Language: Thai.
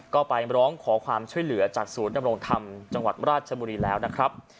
ก็ไปร้องขอความช่วยเหลือจากศูนย์ดำรงธรรมจังหวัดราชบุรีแล้วนะครับ